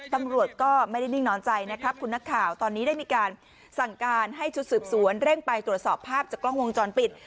ตำรวจก็ไม่ได้นิ่งนอนใจนะครับคุณนักข่าวตอนนี้ได้มีการสั่งการให้ชุดสืบสวนเร่งไปตรวจสอบภาพจากกล้องวงจรปิด